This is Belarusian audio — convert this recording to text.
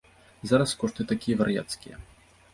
Зараз кошты такія вар'яцкія!